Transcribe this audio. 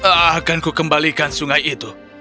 akanku kembalikan sungai itu